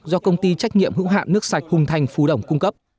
do công ty trách nhiệm hữu hạn nước sạch hùng thành phú đồng cung cấp